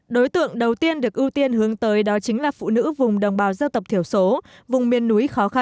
đối tượng đầu tiên được ưu tiên hướng tới đó chính là phụ nữ vùng đồng bào dân tộc thiểu số vùng miền núi khó khăn